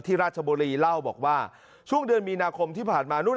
ราชบุรีเล่าบอกว่าช่วงเดือนมีนาคมที่ผ่านมานู่น